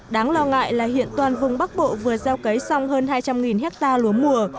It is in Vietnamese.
đáng lo ngại là hiện toàn vùng bắc bộ vừa gieo cấy xong hơn hai trăm linh hectare lúa mùa